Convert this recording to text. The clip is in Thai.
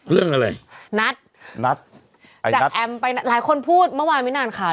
เรื่องอะไรนัดจากแอมไปหลายคนพูดเมื่อวานไม่นานค่ะ